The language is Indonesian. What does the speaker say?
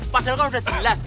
padahal kan udah jelas